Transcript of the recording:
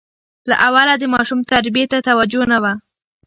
له اوله د ماشوم تربیې ته توجه نه وه.